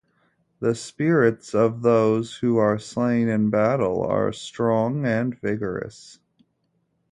The spirits of those who are slain in battle are strong and vigorous.